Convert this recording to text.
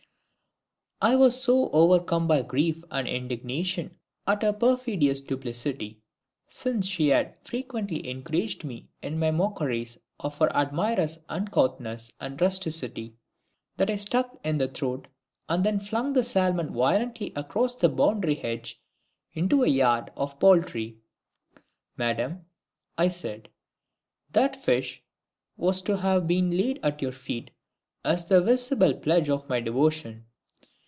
I was so overcome by grief and indignation at her perfidious duplicity (since she had frequently encouraged me in my mockeries of her admirer's uncouthness and rusticity), that I stuck in the throat, and then flung the salmon violently across a boundary hedge into a yard of poultry. "Madam," I said, "that fish was to have been laid at your feet as the visible pledge of my devotion.